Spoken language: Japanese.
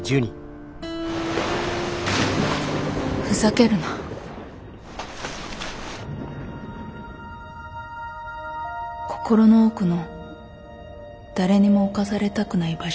ふざけるな心の奥の誰にも侵されたくない場所。